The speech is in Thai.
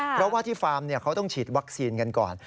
เพราะว่าที่ฟาร์มเขาต้องฉีดวัคซีนกันก่อน